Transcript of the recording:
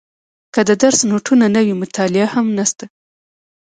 که د درس نوټونه نه وي مطالعه هم نشته.